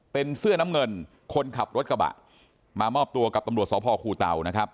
เป็นเสื้อน้ำเงินคนขับรถกระบะมามอบตัวกับตำรวจสพคูเตานะครับ